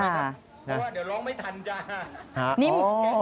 เดี๋ยวร้องไม่ทันจ้า